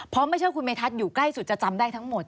เพราะไม่ใช่คุณเมธัศนอยู่ใกล้สุดจะจำได้ทั้งหมด